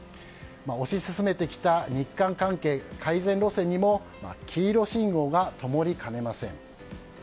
推し進めてきた日韓関係改善路線にも黄色信号がともりかねません。